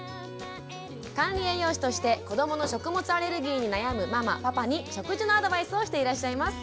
管理栄養士としてこどもの食物アレルギーに悩むママパパに食事のアドバイスをしていらっしゃいます。